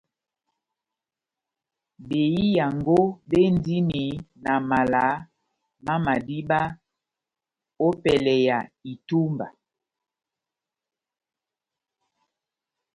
Behiyango béndini na mala má madiba ópɛlɛ ya itúmba